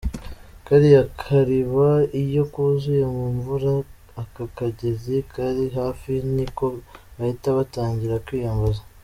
Kariya kariba iyo kuzuye mu mvura, aka kagezi kari hafi niko bahita batangira kwiyambaza.